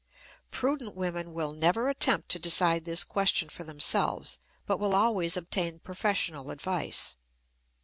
Prudent women will never attempt to decide this question for themselves, but will always obtain professional advice.